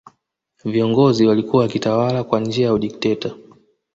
viongozi walikuwa wakitawala kwa njia ya udikteta